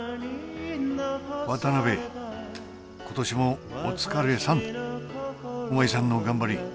渡辺今年もお疲れさんおまえさんの頑張り